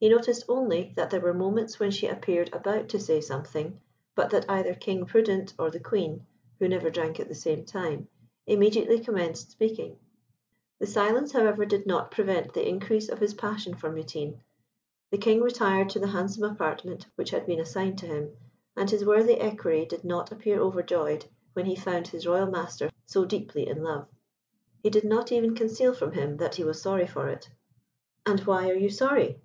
He noticed only that there were moments when she appeared about to say something, but that either King Prudent or the Queen (who never drank at the same time) immediately commenced speaking. This silence, however, did not prevent the increase of his passion for Mutine. The King retired to the handsome apartment which had been assigned to him, and his worthy Equerry did not appear overjoyed when he found his royal master so deeply in love. He did not even conceal from him that he was sorry for it. "And why are you sorry?"